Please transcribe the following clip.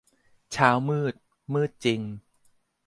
เช้ามืด มืดจริง